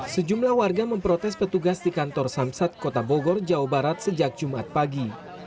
sejumlah warga memprotes petugas di kantor samsat kota bogor jawa barat sejak jumat pagi